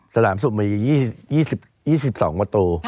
สนามสุกมี๒๒ประตู